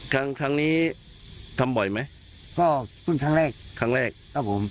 ครั้งนี้ทำบ่อยไหมก็เพิ่งครั้งแรกครั้งแรกครับผม